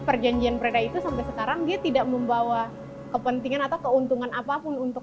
perjanjian preda itu sampai sekarang dia tidak membawa kepentingan atau keuntungan apapun untuk